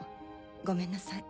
ごめんなさい。